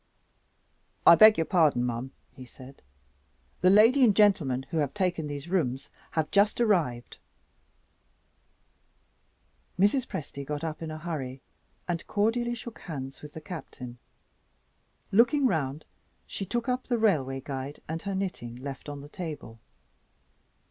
"I beg your pardon, ma'am," he said; "the lady and gentleman who have taken these rooms have just arrived." Mrs. Presty got up in a hurry, and cordially shook hands with the Captain. Looking round, she took up the railway guide and her knitting left on the table.